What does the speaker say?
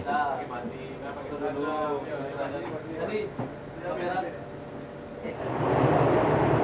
yang lokasinya berada di bawah anjungan ini